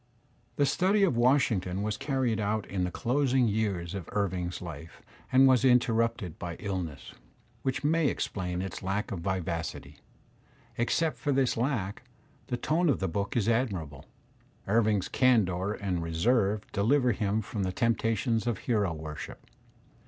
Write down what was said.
The study of Washington was carried on in the closing years of Irving*s life and was interrupted by illness, which may explain its lack of vivacity. Except for this lack, the tone of the book is admirable. Irving's candour and reserve deliver him from the temptations of hero worship.